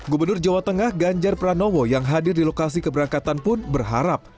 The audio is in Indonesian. gubernur jawa tengah ganjar pranowo yang hadir di lokasi keberangkatan pun berharap